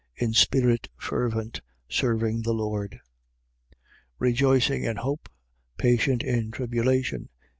In spirit fervent. Serving the Lord. 12:12. Rejoicing in hope. Patient in tribulation.